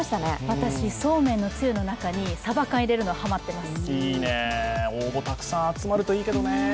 私、そうめんのつゆの中にさば缶入れるのハマってます。